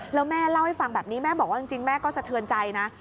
แล้วแม่เล่าให้ฟังแบบนี้แม่บอกว่าจริงแม่ก็สะเทือนใจนะ